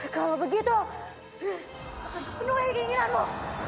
kalau begitu aku akan kepenuhi keinginanmu